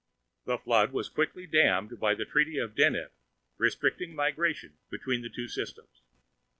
The flood was quickly dammed by the Treaty of Deneb restricting migration between the two systems.